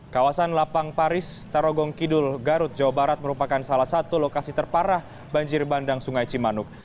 kawasan lapang paris tarogong kidul garut jawa barat merupakan salah satu lokasi terparah banjir bandang sungai cimanuk